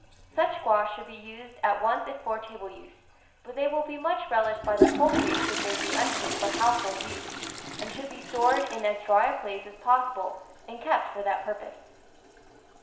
Such squash should be used at once if for table use, but they will be much relished by the poultry should they be unfit for household use, and should be stored VINE VEGETABLES AND FRUITS in as dry a place as possible and kept for that purpose.